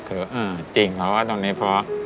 เออจริงเพราะว่าตรงนี้พ่อ